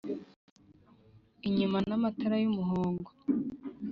inyuma n' amatara y' umuhongo